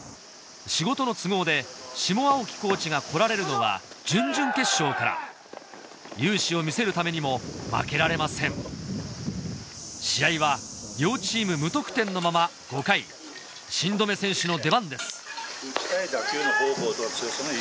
仕事の都合で下青木コーチが来られるのは準々決勝から雄姿を見せるためにも負けられません試合は両チーム無得点のまま５回新留選手の出番です